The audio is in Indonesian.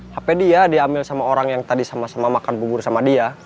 hp dia diambil sama orang yang tadi sama sama makan bubur sama dia